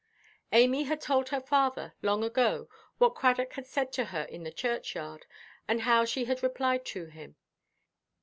Amy had told her father, long ago, what Cradock had said to her in the churchyard, and how she had replied to him.